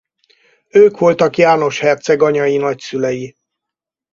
Ők voltak János herceg anyai nagyszülei.